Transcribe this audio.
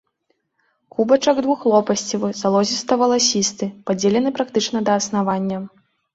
Кубачак двухлопасцевы, залозіста-валасісты, падзелены практычна да аснавання.